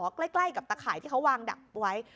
ใกล้กับตะข่ายที่เขาวางดักไว้